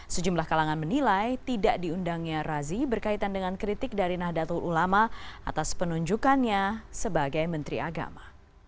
sejumlah kalangan menilai tidak diundangnya razi berkaitan dengan kritik dari nahdlatul ulama atas penunjukannya sebagai menteri agama